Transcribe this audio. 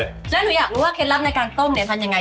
แล้วหนูอยากรู้ว่าเคล็ดลับในการต้มเนี่ยทำยังไง